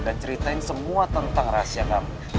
dan ceritain semua tentang rahasia kamu